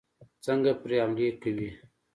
څنګه پرې حملې کوي.